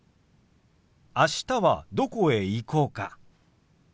あしたはどこへ行こうか？